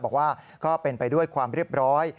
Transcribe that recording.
บอกว่าก็เป็นไปด้วยความเรียบร้อย